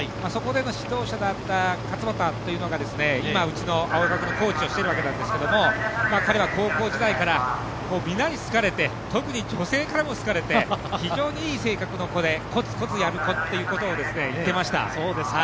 そこでの指導者だった方というのが今、うちの青学のコーチをしているわけなんですけれども彼は高校時代から皆に好かれて特に女性からも好かれて非常にいい性格の子で、こつこつやる子ということを言っていました。